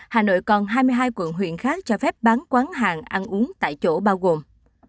hà nội còn hai mươi hai quận huyện khác cho phép bán quán hàng ăn uống tại chỗ bao gồm